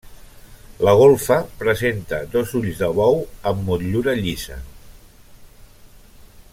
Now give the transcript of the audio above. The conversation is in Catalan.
La golfa presenta dos ulls de bou amb motllura llisa.